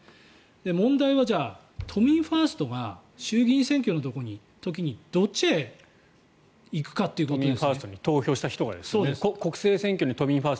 問題は都民ファーストが衆議院選挙の時にどっちへいくかということです。